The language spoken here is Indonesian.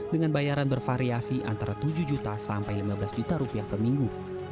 dengan bayaran bervariasi antara tujuh juta sampai lima belas juta rupiah per minggu